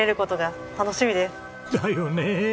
だよね！